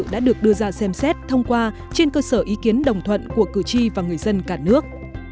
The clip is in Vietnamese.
đã được đưa ra xem xét thông qua trên cơ sở ý kiến đồng thuận của cử tri và người dân cả nước